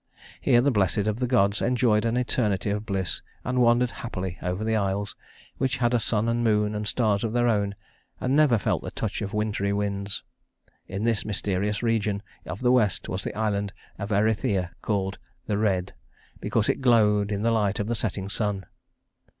Here the blessed of the gods enjoyed an eternity of bliss; and wandered happily over the Isles, which had a sun and moon and stars of their own, and never felt the touch of wintry winds. In this mysterious region of the west was the island of Erythea, called "the red" because it glowed in the light of the setting sun.